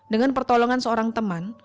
dengan pertolongan seorang teman